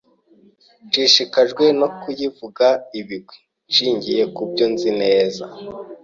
nshishikajwe no kuyivuga ibigwi nshingiye ku byo nzi neza